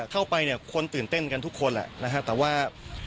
เข้าไปเนี่ยคนตื่นเต้นกันทุกคนนะครับ